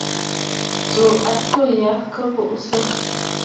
Tsuu atû ya kɨ buʼusə.